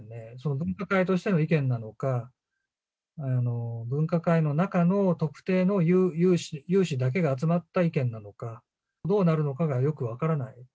分科会としての意見なのか、分科会の中の特定の有志だけが集まった意見なのか、どうなるのかがよく分からない。